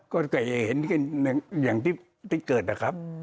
ก็เห็นที่เกิดเลยครับ